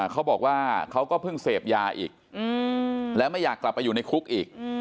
เขาก็เพิ่งเสพยาอีกแล้วไม่อยากกลับไปอยู่ในคุกอีก